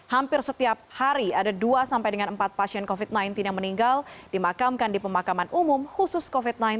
hampir setiap hari ada dua sampai dengan empat pasien covid sembilan belas yang meninggal dimakamkan di pemakaman umum khusus covid sembilan belas